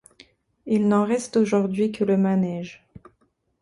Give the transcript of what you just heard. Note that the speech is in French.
Il n'en reste aujourd'hui que le manège.